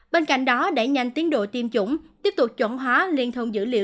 bên cạnh đó đẩy nhanh tiến độ tiêm chủng tiếp tục chuẩn hóa liên thông dữ liệu